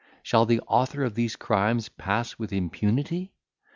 Shall the author of these crimes pass with impunity?